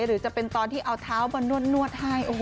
หรือจะเป็นตอนที่เอาเท้ามานวดให้